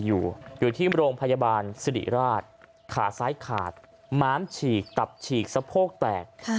อยู่ที่โรงพยาบาลสิริราชขาซ้ายขาดม้ามฉีกตับฉีกสะโพกแตก